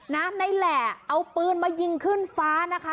ในแหล่เอาปืนมายิงขึ้นฟ้านะคะ